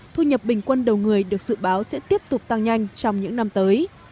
thu nhập bình quân đầu người được dự báo sẽ tiếp tục tăng nhanh trong những năm tới